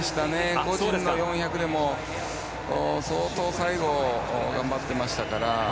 個人の４００でも相当最後、頑張ってましたから。